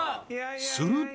［すると］